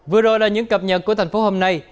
vừa rồi là những cập nhật của thành phố hôm nay